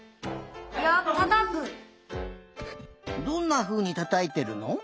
どんなふうにたたいてるの？